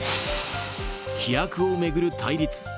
規約を巡る対立